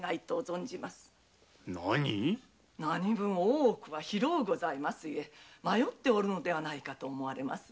大奥は広うございますゆえ迷っておるのではないかと思われます。